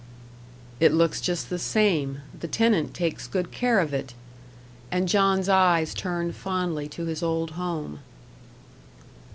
"It looks just the same the tenant takes good care of it." And John's eyes turned fondly to his old home.